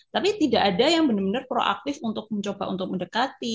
tapi tidak ada yang benar benar proaktif untuk mencoba untuk mendekati